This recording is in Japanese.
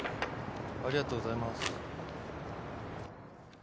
ありがとうございます。